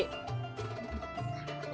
untuk buka bersama